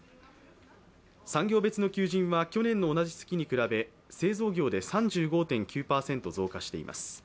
産業別の求人は去年の同じ月に比べ製造業で３５．９％増加しています